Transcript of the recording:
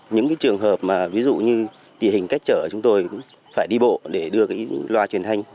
những trường hợp như địa hình cách trở chúng tôi cũng phải đi bộ để đưa loa truyền hành